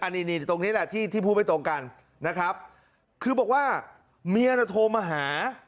นี่ตรงนี้แหละที่ที่พูดไม่ตรงกันนะครับคือบอกว่าเมียน่ะโทรมาหา